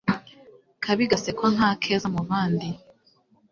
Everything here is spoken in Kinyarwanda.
Akabi gasekwa nk'akeza muvandi.